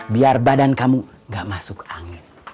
biar badan kamu gak masuk angin